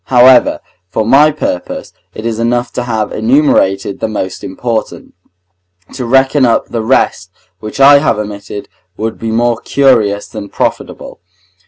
However, for my purpose, it is enough to have enumerated the most important; to reckon up the rest which I have omitted would be more curious than profitable.